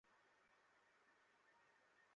Sir, থামুন।